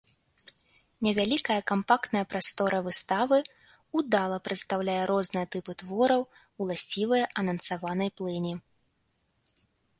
Невялікая кампактная прастора выставы ўдала прадстаўляе розныя тыпы твораў, уласцівыя анансаванай плыні.